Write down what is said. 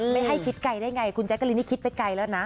ไม่ให้คิดไกลได้ไงคุณแจ๊กกะลินนี่คิดไปไกลแล้วนะ